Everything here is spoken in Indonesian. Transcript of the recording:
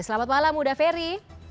selamat malam uda ferry